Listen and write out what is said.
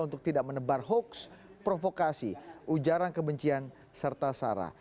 untuk tidak menebar hoax provokasi ujaran kebencian serta sara